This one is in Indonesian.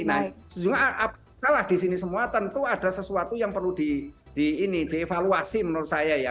nah sejujurnya salah di sini semua tentu ada sesuatu yang perlu dievaluasi menurut saya ya